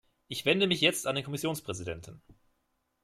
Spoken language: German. Ich wende mich jetzt an den Kommissionspräsidenten.